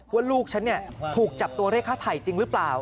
ว่าลูกฉันถูกจับตัวเลขค่าไถ่จริงหรือเปล่า